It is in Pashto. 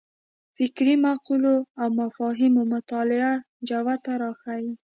فکري مقولو او مفاهیمو مطالعه جوته راښيي.